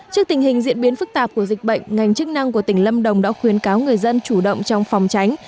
trước tình hình diễn biến phức tạp của dịch bệnh ngành chức năng của tỉnh lâm đồng đã khuyến cáo người dân chủ động trong phòng tránh